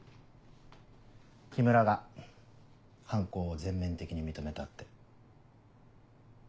木村が犯行を全面的に認めたって。